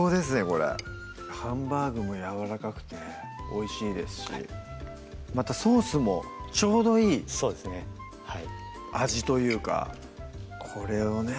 これハンバーグもやわらかくておいしいですしまたソースもちょうどいいそうですねはい味というかこれをね